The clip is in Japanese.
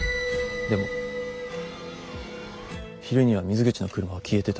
でも昼には水口の車は消えてた。